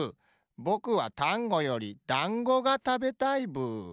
ぼくはタンゴよりだんごがたべたいブー。